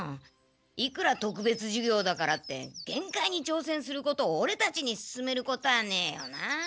いくらとくべつ授業だからって限界に挑戦することをオレたちにすすめることはねえよなあ。